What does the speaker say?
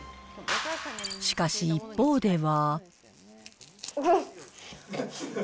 しかし、一方では。